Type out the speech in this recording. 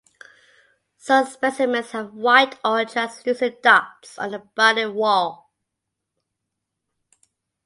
Some specimens have white or translucent dots on the body whorl.